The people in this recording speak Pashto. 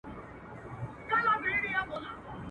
چي د مجنون په تلاښ ووزمه لیلا ووینم.